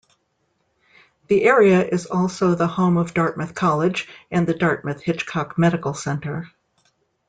The area is also the home of Dartmouth College and the Dartmouth-Hitchcock Medical Center.